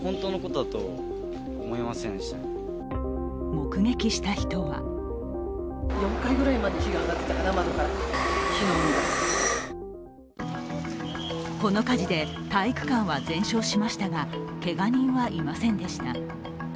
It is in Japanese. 目撃した人はこの火事で体育館は全焼しましたがけが人はいませんでした。